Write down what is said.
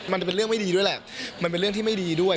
มันจะเป็นเรื่องไม่ดีด้วยแหละมันเป็นเรื่องที่ไม่ดีด้วย